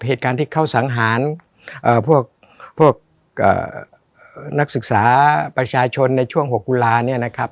เหตุการณ์ที่เขาสังหารพวกนักศึกษาประชาชนในช่วง๖ตุลาเนี่ยนะครับ